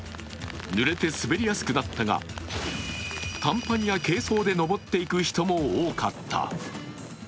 ぬれて滑りやすくなったが短パンや軽装で登っていく人も多かった。